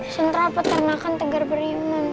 sentral peternakan tenggar beriman